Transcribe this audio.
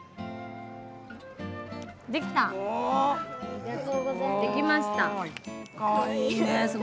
ありがとうございます。